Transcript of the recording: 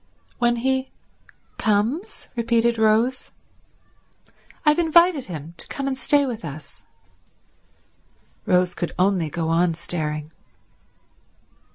"When he comes?" repeated Rose. "I've invited him to come and stay with us." Rose could only go on staring.